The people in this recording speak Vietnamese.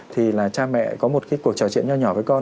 thì là cha mẹ có một cái cuộc trò chuyện nhỏ nhỏ với con